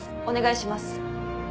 お願いします。